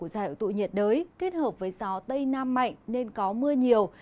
tại tụ nhiệt đới kết hợp với gió tây nam mạnh nên có mưa nhiều